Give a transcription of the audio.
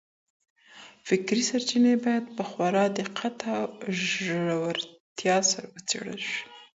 فکري سرچينې بايد په خورا دقت او ژورتيا سره وڅېړل سي.